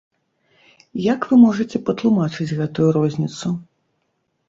Як вы можаце патлумачыць гэтую розніцу?